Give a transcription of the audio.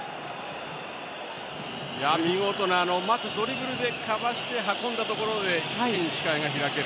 見事な、まずドリブルでかわして運んだところで一気に視界が開ける。